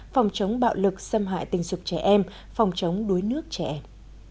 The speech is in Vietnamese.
phòng chống bạo lực xâm hại tình dục trẻ em phòng chống đuối nước trẻ em